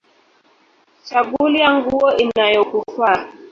Chagulya nguo inayokufaa